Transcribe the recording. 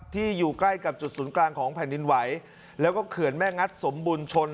อยู่ใกล้กับจุดศูนย์กลางของแผ่นดินไหวแล้วก็เขื่อนแม่งัดสมบุญชน